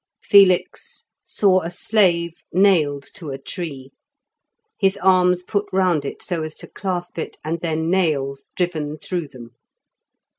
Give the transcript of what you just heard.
Felix saw a slave nailed to a tree, his arms put round it so as to clasp it, and then nails driven through them.